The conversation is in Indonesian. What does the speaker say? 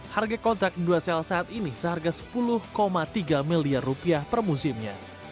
harga kontrak dua sel saat ini seharga sepuluh tiga miliar rupiah per musimnya